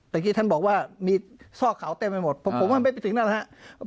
เมื่อกี้ท่านบอกว่ามีซอกเขาเต็มไปหมดผมว่าไม่ไปถึงนั่นนะครับ